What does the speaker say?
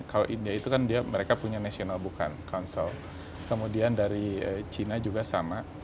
kalau india itu kan mereka punya national book council kemudian dari china juga sama